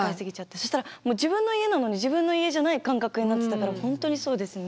そしたら自分の家なのに自分の家じゃない感覚になってたから本当にそうですね。